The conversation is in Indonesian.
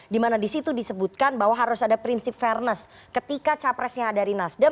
dimana disitu disebutkan bahwa harus ada prinsip fairness ketika capresnya dari nasdem